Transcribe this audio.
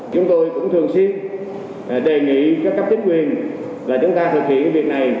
chúng tôi cũng thường xuyên đề nghị các cấp chức quyền là chúng ta thực hiện cái việc này